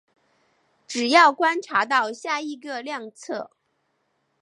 只要观察到下一个量测。